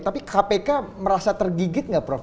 tapi kpk merasa tergigit nggak prof